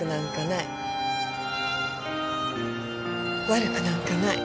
悪くなんかない。